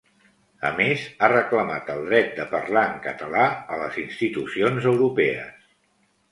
A més, ha reclamat el dret de parlar en català a les institucions europees.